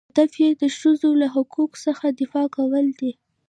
هدف یې د ښځو له حقوقو څخه دفاع کول دي.